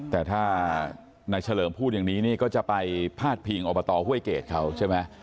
แต่ถ้านายเฉลิมพูดอย่างนี้นี่ก็จะไปพาดพิงอบตห้วยเกรดเขาใช่ไหม